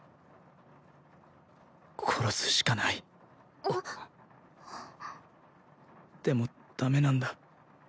殺すしかないでもダメなんだ